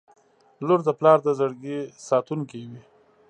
• لور د پلار د زړګي ساتونکې وي.